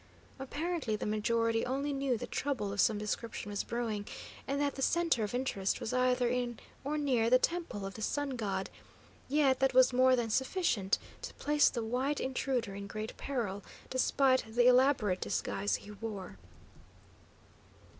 Apparently the majority only knew that trouble of some description was brewing, and that the centre of interest was either in or near the Temple of the Sun God; yet that was more than sufficient to place the white intruder in great peril, despite the elaborate disguise he wore.